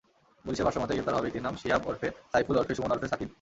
পুলিশের ভাষ্যমতে, গ্রেপ্তার হওয়া ব্যক্তির নাম শিহাব ওরফে সাইফুল ওরফে সুমন ওরফে সাকিব।